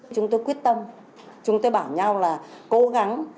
chúng tôi quyết tâm chúng tôi bảo nhau là cố gắng